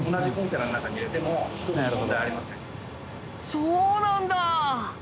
そうなんだ。